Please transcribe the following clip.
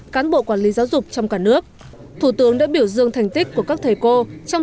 cán bộ quản lý giáo dục trong cả nước thủ tướng đã biểu dương thành tích của các thầy cô trong